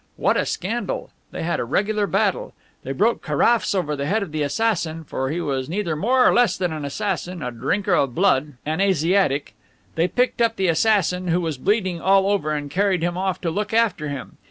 What a scandal! They had a regular battle. They broke carafes over the head of the assassin for he was neither more nor less than an assassin, a drinker of blood an Asiatic. They picked up the assassin, who was bleeding all over, and carried him off to look after him.